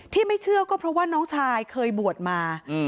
ไม่เชื่อก็เพราะว่าน้องชายเคยบวชมา